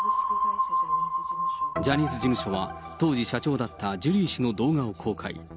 ジャニーズ事務所は、当時社長だったジュリー氏の動画を公開。